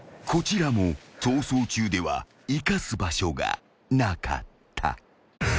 ［こちらも『逃走中』では生かす場所がなかった］